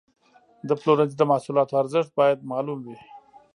د پلورنځي د محصولاتو ارزښت باید معلوم وي.